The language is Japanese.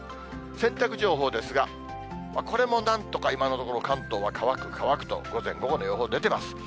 洗濯情報ですが、これもなんとか今のところ、関東は乾く、乾くと、午前、午後の予報出てます。